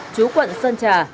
chú quận sơn trà